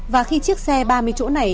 và khi chiếc xe ba mươi chỗ này